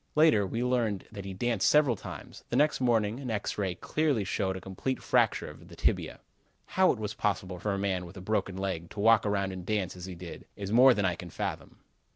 Later, we learned that he danced several times. The next morning an X ray clearly showed a complete fracture of the tibia. "How it was possible for a man, with a broken leg, to walk around and dance, as he did, is more than I can fathom."